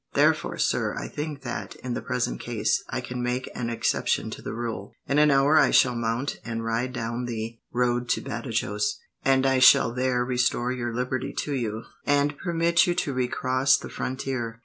"Therefore, sir, I think that, in the present case, I can make an exception to the rule. In an hour I shall mount and ride down the road to Badajos, and I shall there restore your liberty to you, and permit you to recross the frontier.